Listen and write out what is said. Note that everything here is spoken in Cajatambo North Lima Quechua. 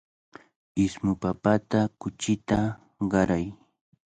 Ismu papata kuchita qaray.